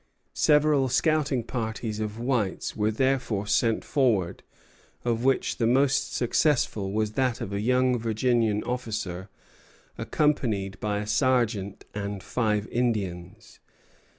Several scouting parties of whites were therefore sent forward, of which the most successful was that of a young Virginian officer, accompanied by a sergeant and five Indians.